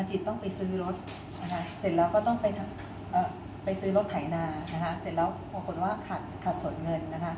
หรือรถไถนาเสร็จแล้วความผลว่าขาดส่วนเงิน